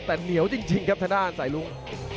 แต่เหนียวจริงครับทางด้านสายลุง